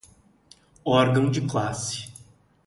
órgão de classe